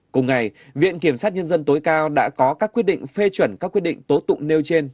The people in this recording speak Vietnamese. cùng ngày viện kiểm sát nhân dân tối cao đã có các quyết định phê chuẩn các quyết định tố tụng nêu trên